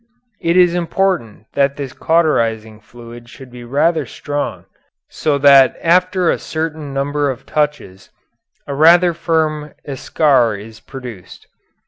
It is important that this cauterizing fluid should be rather strong so that after a certain number of touches a rather firm eschar is produced.